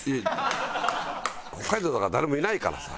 北海道だから誰もいないからさ